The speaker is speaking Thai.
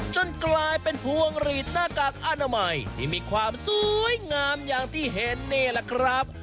จนกลายเป็นพวงหลีดหน้ากากอนามัยที่มีความสวยงามอย่างที่เห็นนี่แหละครับ